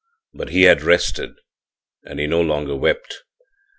But he had rested, and he no longer wept.